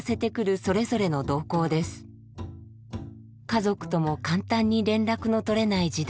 家族とも簡単に連絡の取れない時代